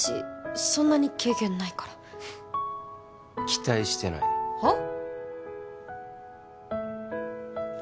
そんなに経験ないから期待してないはっ？